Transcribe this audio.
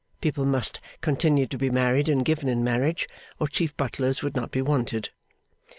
People must continue to be married and given in marriage, or Chief Butlers would not be wanted.